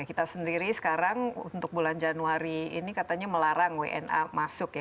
kita sendiri sekarang untuk bulan januari ini katanya melarang wna masuk ya